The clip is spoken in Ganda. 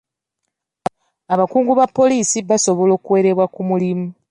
Abakungu ba poliisi basobola okuwerebwa ku mulimu.